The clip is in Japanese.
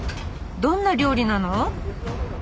どんな料理なの？